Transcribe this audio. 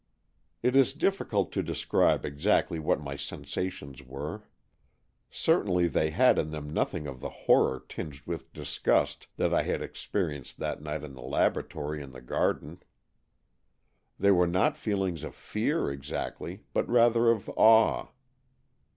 It is difficult to describe exactly what my sensations were. Certainly they had in them nothing of the horror tinged with disgust that I had experienced that night in the laboratory 241 AN EXCHANGE OF SOULS in the garden. They were not feelings of fear exactly, but rather of awe.